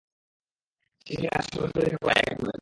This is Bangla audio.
চিঠি লেখা আর সরাসরি দেখা করা এক নয়।